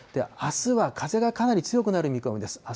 あすは風がかなり強くなる見込みです。